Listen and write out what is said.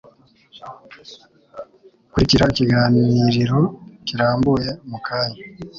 Kurikira ikiganiriro kirambuye mukanya